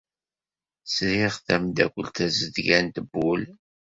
Sriɣ tameddakelt tazedgant n wul.